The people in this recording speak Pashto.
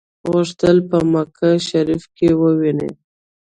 غوښتل په مکه شریفه کې وویني.